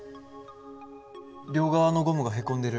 両側のゴムがへこんでる。